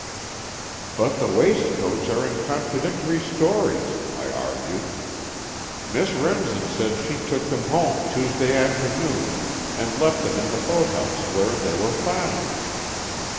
"But the waistcoats are in contradictory stories," I argued. "Miss Remsen said she took them home Tuesday afternoon, and left them in the boathouse where they were found.